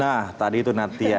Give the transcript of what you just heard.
nah tadi itu natia